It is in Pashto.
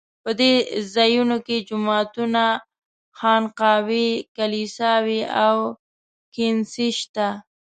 په دې ځایونو کې جوماتونه، خانقاوې، کلیساوې او کنیسې شته.